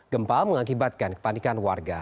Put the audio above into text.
gempa mengakibatkan kepanikan warga